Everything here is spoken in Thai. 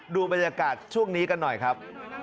ดูบรรยากาศช่วงนี้กันหน่อยครับ